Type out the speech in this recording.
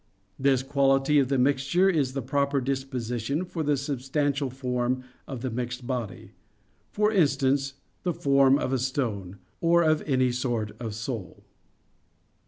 This quality of the mixture is the proper disposition for the substantial form of the mixed body; for instance, the form of a stone, or of any sort of soul.